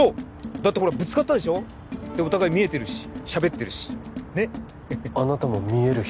だってほらぶつかったでしょでお互い見えてるししゃべってるしねっあなたも見える人？